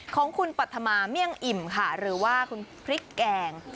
ของคุณปัธมาเมี่ยงอิ่มค่ะหรือว่าคุณพริกแกง